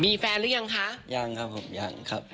มีแฟนหรือยังคะยังครับผมยังครับ